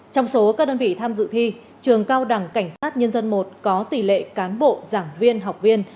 trong số các đơn vị tham dự thi trường cao đẳng cảnh sát nhân dân một có tỷ lệ cán bộ giảng viên học viên